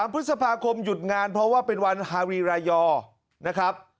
พฤษภาคมหยุดงานเพราะว่าเป็นวันฮารีรายอร์นะครับ